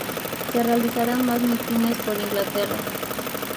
Se realizarán más mítines por Inglaterra.